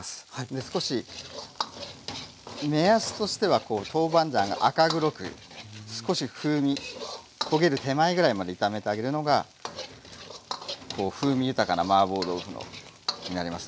で少し目安としてはこうトーバンジャンが赤黒く少し風味焦げる手前ぐらいまで炒めてあげるのが風味豊かなマーボー豆腐になりますね。